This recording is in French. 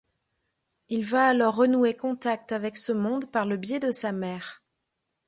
Il va alors renouer contact avec ce monde par le biais de sa mère.